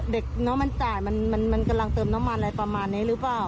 เด็กน้องมันจ่ายมันกำลังเติมน้ำมันอะไรประมาณนี้หรือเปล่า